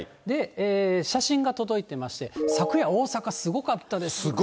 写真が届いてまして、昨夜、大阪、すごかったですね。